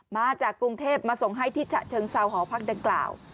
มาจากกรุงเทพมาส่งให้ที่ฉะเชิงเซาหอพักดังกล่าว